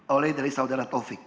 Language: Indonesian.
oleh dari saudara taufik